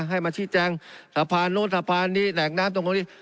ให้มาชี้แจงสะพานนู้นสะพานนี้แหล่งน้ำตรงตรงนี้